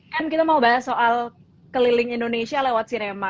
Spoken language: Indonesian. kan kita mau bahas soal keliling indonesia lewat sinema